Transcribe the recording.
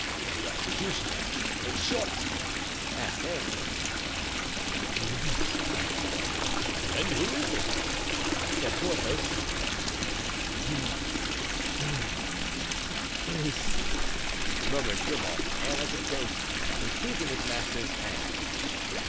"The executioner, in short?" asked Aramis. "Yes." "And who is it?" said Porthos. "He—he—is——" murmured Grimaud, pale as a ghost and seizing his master's hand.